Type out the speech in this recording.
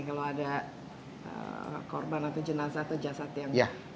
kalau ada korban atau jenazah atau jasad yang